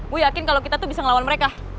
gue yakin kalau kita tuh bisa ngelawan mereka